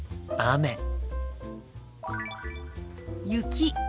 「雪」。